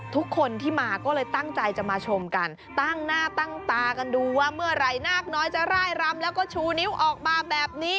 ทุกคนที่มาก็เลยตั้งใจจะมาชมกันตั้งหน้าตั้งตากันดูว่าเมื่อไหร่นาคน้อยจะร่ายรำแล้วก็ชูนิ้วออกมาแบบนี้